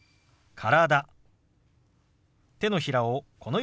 「体」。